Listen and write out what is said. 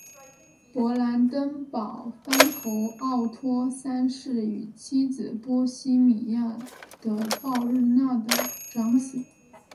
勃兰登堡藩侯奥托三世与妻子波希米亚的鲍日娜的长子。